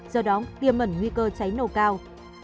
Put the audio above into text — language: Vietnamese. do đó tiêm mẩn nguy cơ cháy nổ cao